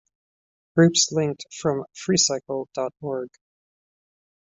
Groups linked from freecycle dot org.